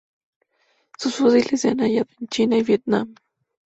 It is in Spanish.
Sus fósiles se han hallado en China y Vietnam.